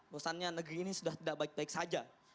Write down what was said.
bosannya negeri ini sudah tidak baik baik saja